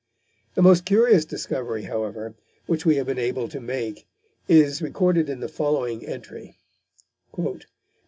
The most curious discovery, however, which we have been able to make is recorded in the following entry: "Nov.